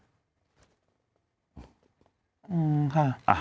อืมค่ะ